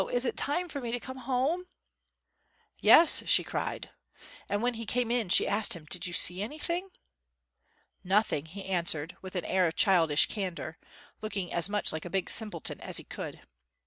is it time for me to come home?" "Yes," she cried. And when he came in she asked him, "Did you see anything?" "Nothing," he answered, with an air of childish candor; looking as much like a big simpleton as he could.